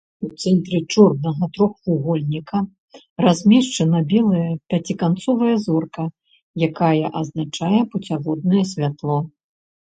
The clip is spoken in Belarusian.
У цэнтры чорнага трохвугольніка размешчана белая пяціканцовая зорка, якая азначае пуцяводнае святло.